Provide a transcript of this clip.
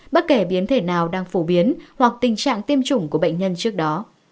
bất kể biến thể nào đang phổ biến hoặc tình trạng tiêm chủng của bệnh nhân trước đó